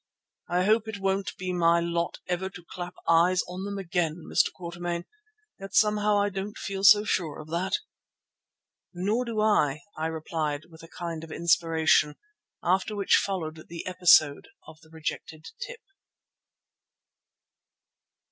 I hope it won't be my lot ever to clap eyes on them again, Mr. Quatermain, and yet somehow I don't feel so sure of that." "Nor do I," I replied, with a kind of inspiration, after which followed the episode of the rejected tip.